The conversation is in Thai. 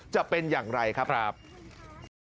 จะเป็นอย่างไรครับครับขอบคุณครับ